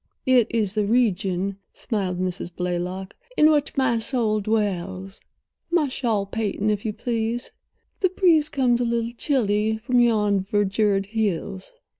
"It is the region," smiled Mrs. Blaylock, "in which my soul dwells. My shawl, Peyton, if you please—the breeze comes a little chilly from yon verdured hills."